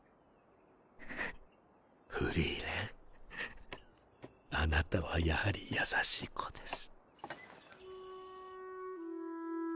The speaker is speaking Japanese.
フリーレンあなたはやはり優しい子です。